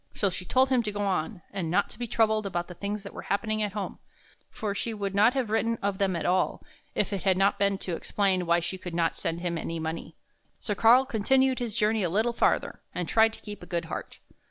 So she told him to go on, and not to be troubled about the things that were happening at home, for she would not have written of them at all if it had not been to explain why she could not send him any money. So Karl continued his journey a little farther, and tried to keep a good heart.